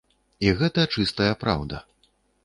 І гэта чыстая праўда.